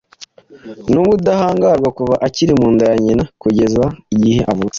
nubudahangarwa kuva akiri mu nda ya nyina kugeza igihe avutse